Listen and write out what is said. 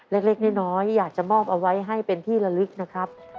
เล็กน้อยอยากจะมอบเอาไว้ให้เป็นที่ละลึกนะครับ